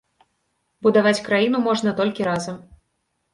Будаваць краіну можна толькі разам.